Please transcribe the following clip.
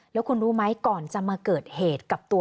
แล้วคุณรู้ไหมก่อนจะมาเกิดเหตุกับตัว